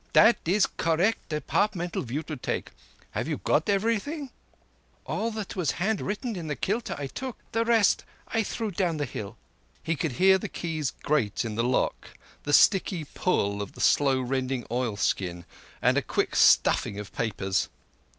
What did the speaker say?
That is correct Departmental view to take. You have got everything?" "All that was handwritten in the kilta I took. The rest I threw down the hill." He could hear the key's grate in the lock, the sticky pull of the slow rending oilskin, and a quick shuffling of papers.